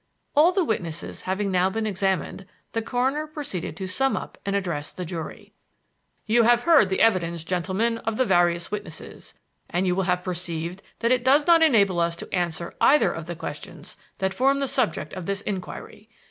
All the witnesses having now been examined, the coroner proceeded to sum up and address the jury. "You have heard the evidence, gentlemen, of the various witnesses, and you will have perceived that it does not enable us to answer either of the questions that form the subject of this inquiry.